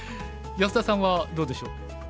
安田さんはどうでしょう？